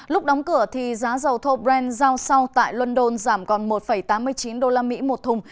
lúc đóng cửa giá dầu thorbrand giao sau tại london giảm còn một tám mươi chín usd một thùng